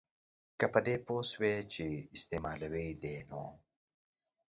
که په دې پوه سوې چي استعمالوي دي نو